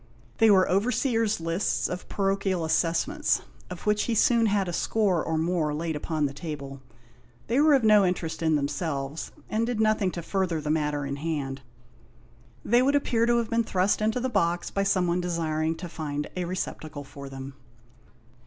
They were overseers' lists of parochial assessments, of which he soon had a score or more laid upon the table. They were of no interest in them selves, and did nothing to further the matter in hand. They would appear to have been thrust into the box by someone desiring to find a receptacle for them.